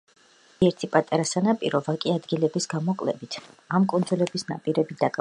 ზოგიერთი პატარა სანაპირო ვაკე ადგილების გამოკლებით, ამ კუნძულების ნაპირები დაკლაკნილია.